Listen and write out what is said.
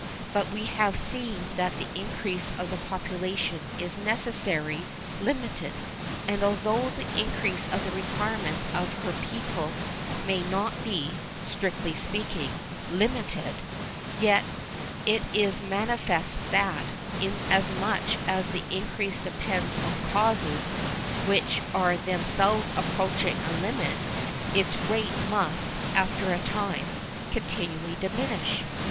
But we have seen that the increase of her population is necessarily limited; and although the increase of the requirements of her people may not be (strictly speaking) limited, yet it is manifest that, inasmuch as that increase depends on causes which are themselves approaching a limit, its rate must, after a time, continually diminish.